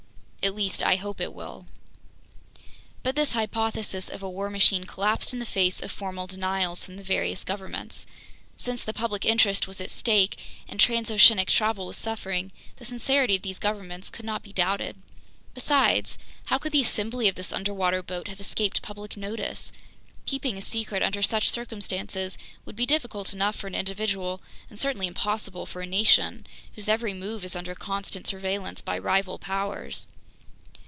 At least I hope it will. But this hypothesis of a war machine collapsed in the face of formal denials from the various governments. Since the public interest was at stake and transoceanic travel was suffering, the sincerity of these governments could not be doubted. Besides, how could the assembly of this underwater boat have escaped public notice? Keeping a secret under such circumstances would be difficult enough for an individual, and certainly impossible for a nation whose every move is under constant surveillance by rival powers.